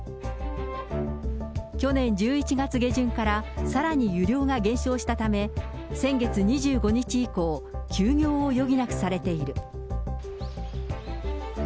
去年１１月下旬からさらに湯量が減少したため、先月２５日以降、休業を余儀なくされている。